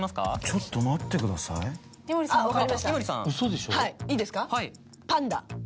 はいいいですかパンダ。